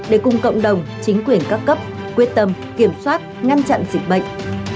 để cùng cộng đồng chính quyền các cấp quyết tâm kiểm soát ngăn chặn dịch bệnh